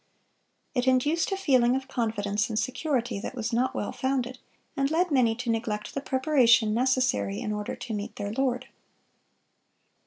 It induced a feeling of confidence and security that was not well founded, and led many to neglect the preparation necessary in order to meet their Lord.